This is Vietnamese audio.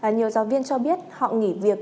nhiều giáo viên cho biết họ nghỉ việc